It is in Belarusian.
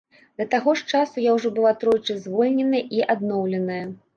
Да таго часу я ўжо была тройчы звольненая і адноўленая.